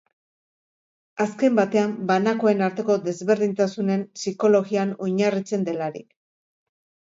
Azken batean, banakoen arteko desberdintasunen psikologian oinarritzen delarik.